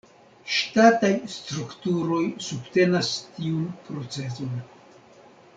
Ŝtataj strukturoj subtenas tiun procezon.